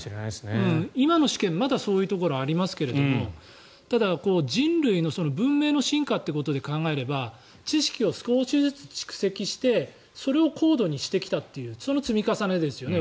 今の試験まだそういうところがありますがただ、人類の文明の進化ということで考えれば知識を少しずつ蓄積してそれを高度にしてきたというその積み重ねですよね。